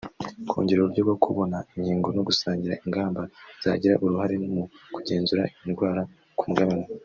kongera uburyo bwo kubona inkingo no gusangira ingamba zagira uruhare mu kugenzura iyi ndwara ku mugabane